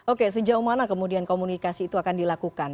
oke sejauh mana kemudian komunikasi itu akan dilakukan